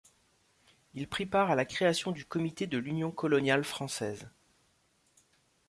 Il prit part à la création du Comité de l'Union coloniale française.